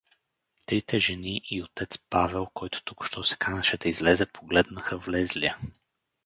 Трите жени и отец Павел, който току-що се канеше да излезе, погледнаха влезлия.